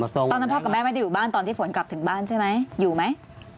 ตอนนั้นพ่อกับแม่ไม่ได้อยู่บ้านตอนที่ฝนกลับถึงบ้านใช่ไหมอยู่ไหม